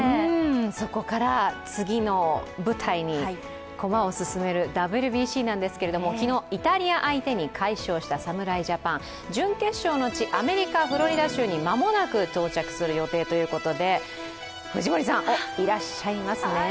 そこから次の舞台に駒を進めるＷＢＣなんですけれども、昨日、イタリア相手に解消した侍ジャパン、準決勝の地、アメリカ・フロリダ州に間もなく到着するということで藤森さんがいらっしゃいますね。